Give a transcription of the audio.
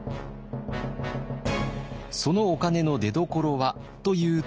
そのお金の出どころはというと。